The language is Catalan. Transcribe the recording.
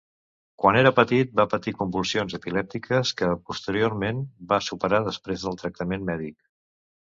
Quan era petit va patir convulsions epilèptiques, que posteriorment va superar després del tractament mèdic.